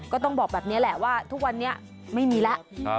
ก็ต้องบอกแบบนี้แหละว่าทุกวันนี้ไม่มีแล้ว